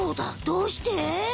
どうして？